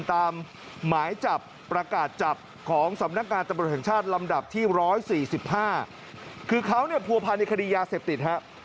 ทางชาติลำดับที่ร้อยสี่สิบห้าคือเขาเนี่ยผัวพาในคดียาเสพติดฮะ